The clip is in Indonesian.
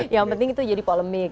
yang penting itu jadi polemik